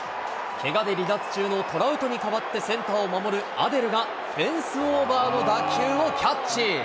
けがで離脱中のトラウトに代わって、センターを守るアデルがフェンスオーバーの打球をキャッチ。